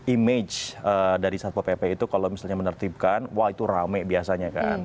image dari satpol pp itu kalau misalnya menertibkan wah itu rame biasanya kan